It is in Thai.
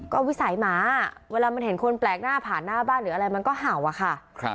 ก็วิสัยหมาเวลามันเห็นคนแปลกหน้าผ่านหน้าบ้านหรืออะไรมันก็เห่าอะค่ะ